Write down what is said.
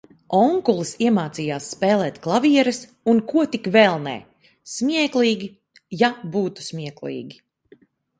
Onkulis iemācījās spēlēt klavieres un ko tik vēl nē, smieklīgi, ja būtu smieklīgi.